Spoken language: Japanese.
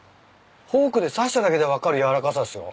フォークで刺しただけで分かる軟らかさっすよ。